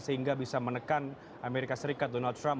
sehingga bisa menekan amerika serikat donald trump